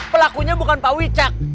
pelakunya bukan pak wicak